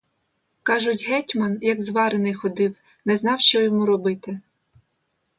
Кажуть, гетьман як зварений ходив, не знав, що йому робити.